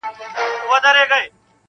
له کوم ځای له کوم کتابه یې راوړی-